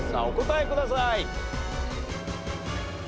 お答えください。